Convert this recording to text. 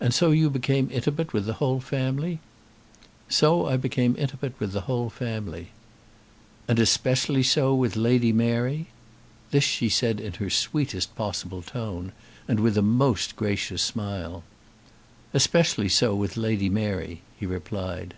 "And so you became intimate with the whole family?" "So I became intimate with the whole family." "And especially so with Lady Mary?" This she said in her sweetest possible tone, and with a most gracious smile. "Especially so with Lady Mary," he replied.